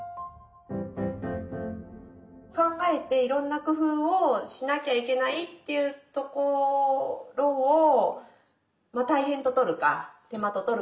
考えていろんな工夫をしなきゃいけないっていうところを大変ととるか手間ととるか。